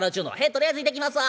とりあえず行ってきますわ」。